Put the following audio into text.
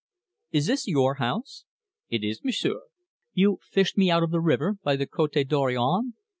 "Is this your house?" "It is, M'sieu'." "You fished me out of the river by the Cote Dorion?"